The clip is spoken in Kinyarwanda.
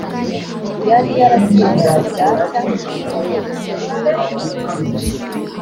yari yarasimbutse bwacya kugeza kumusozi